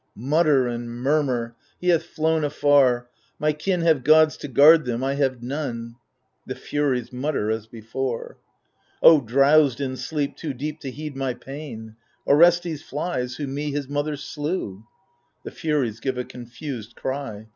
Mutter and murmur 1 He hath flown afar — My kin have gods to guard them, I have none ![ The Furies mutter as before. O drowsed in sleep too deep to heed my pain ! Orestes flies, who me, his mother, slew. \The Furies give a confused cry.